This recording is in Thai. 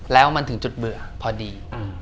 แล้วมันถึงจุดเบื่อพอดี